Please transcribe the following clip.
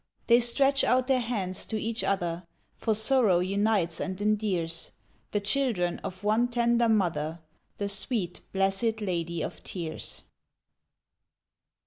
They stretch out their hands to each other, For Sorrow unites and endears, The children of one tender mother The sweet, blessed Lady of Tears.